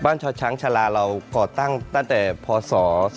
บ้านช่อช้างฉลาเราก่อตั้งตั้งแต่พศ๒๕๔๗